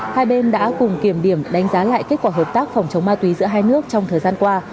hai bên đã cùng kiểm điểm đánh giá lại kết quả hợp tác phòng chống ma túy giữa hai nước trong thời gian qua